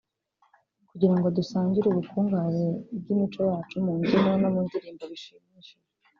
kugira ngo dusangire ubukungahare bw’imico yacu mu mbyino no mu ndirimbo bishimishije